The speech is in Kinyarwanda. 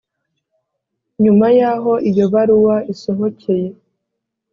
Nyuma y'aho iyo baruwa isohokeye